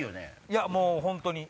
いやもう本当に。